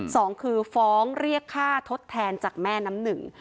สองคือฟ้องเรียกค่าทดแทนจากแม่น้ำหนึ่ง